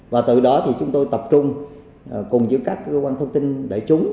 và từ đó thì chúng tôi tập trung cùng với các cơ quan thông tin đại chúng